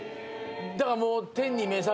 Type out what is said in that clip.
だからもう。